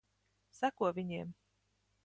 Seko viņiem.